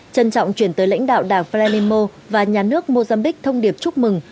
trân trọng chuyển tới lãnh đạo đảng varelimo và nhà nước mozambique thông điệp chúc mừng